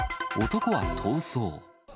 男は逃走。